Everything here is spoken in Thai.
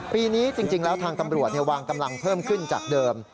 ปีนี้จริงแล้วทางตำรวจวางกำลังเพิ่มขึ้นจากเดิม